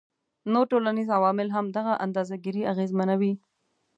نور ټولنیز عوامل هم دغه اندازه ګيرۍ اغیزمنوي